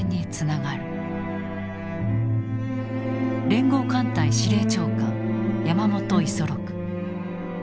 連合艦隊司令長官山本五十六。